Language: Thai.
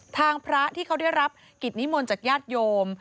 ทางพระที่เขาได้รับกิจนิมนต์จากญาติโยม